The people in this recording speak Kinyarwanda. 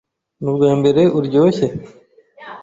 Nubwambere uryoshye?